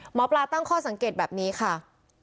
หมอปลาตั้งข้อสังเกตแบบนี้ค่ะ